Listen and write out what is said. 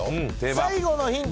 最後のヒント